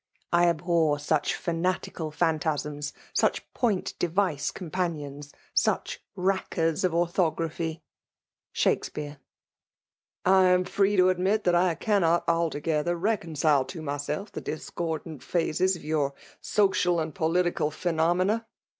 I abhor inch fantttical pbaatatmi, fnch point device companions, tnch lacken of oitbography !*' 1 AM firee to admit that I cannot alU^tber xecondle to mysdf the diacordant phases of your social and political phenomena